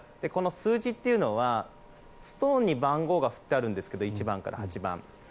この数字はストーンに番号が振ってあるんですけど１番から８番。